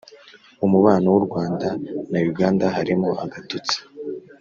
Umubano w’urwanda nayuganda harimo agatotsi